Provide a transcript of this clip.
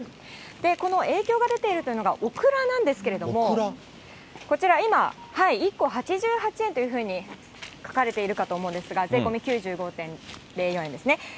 この影響が出ているというのが、オクラなんですけれども、こちら、今、１個８８円というふうに書かれているかと思うんですが、税込み９５．０４円ですね。